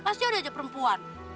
pasti ada aja perempuan